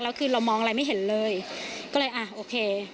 แล้วคือเรามองอะไรไม่เห็นเลยก็เลยอ่ะโอเค